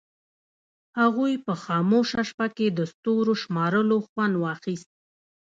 هغوی په خاموشه شپه کې د ستورو شمارلو خوند واخیست.